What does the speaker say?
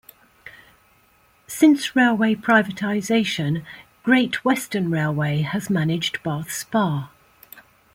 Since railway privatisation Great Western Railway has managed Bath Spa.